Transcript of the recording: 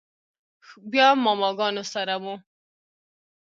بيا ماما ګانو سره و.